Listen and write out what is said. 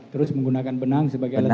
terus menggunakan benang sebagai alat